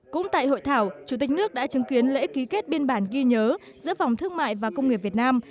cũng tại hội thảo chủ tịch nước đã chứng kiến lễ ký kết biên bản ghi nhớ giữa phòng thương mại và công nghiệp việt nam